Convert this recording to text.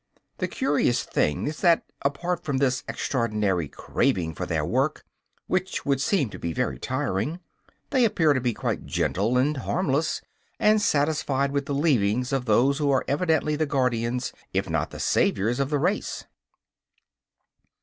The curious thing is that, apart from this extraordinary craving for their work which would seem to be very tiring they appear to be quite gentle and harmless, and satisfied with the leavings of those who are evidently the guardians, if not the saviors, of the race."